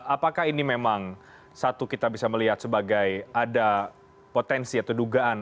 apakah ini memang satu kita bisa melihat sebagai ada potensi atau dugaan